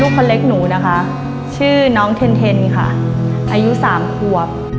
คนเล็กหนูนะคะชื่อน้องเทนค่ะอายุ๓ขวบ